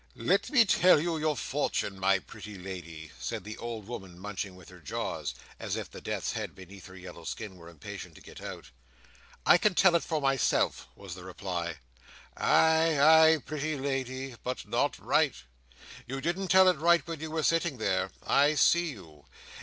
"Let me tell your fortune, my pretty lady," said the old woman, munching with her jaws, as if the Death's Head beneath her yellow skin were impatient to get out. "I can tell it for myself," was the reply. "Ay, ay, pretty lady; but not right. You didn't tell it right when you were sitting there. I see you!